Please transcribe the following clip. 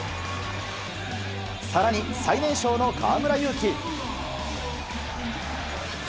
さらに、最年少の河村勇輝。